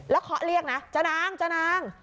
แล้วเขาเรียกนะเจ้านาง